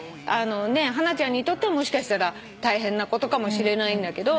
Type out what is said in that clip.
ハナちゃんにとってもしかしたら大変なことかもしれないんだけど。